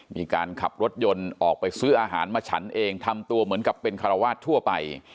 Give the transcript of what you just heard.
มีการขับรถยนต์ออกไปซื้ออาหารมาฉันเองทำตัวเหมือนกับเป็นคารวาสทั่วไป